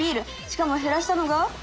しかも減らしたのが。